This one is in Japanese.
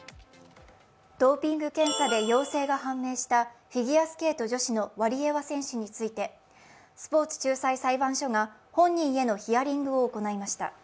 ドーピング検査で陽性が判明したフィギュアスケート女子のワリエワ選手についてスポーツ仲裁裁判所が本人へのヒアリングを行いました。